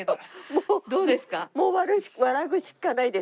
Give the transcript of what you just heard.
もう笑うしかないです。